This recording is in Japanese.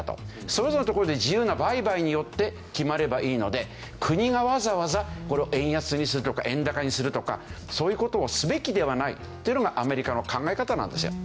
それぞれのところで自由な売買によって決まればいいので国がわざわざこれを円安にするとか円高にするとかそういう事をすべきではないっていうのがアメリカの考え方なんですよ。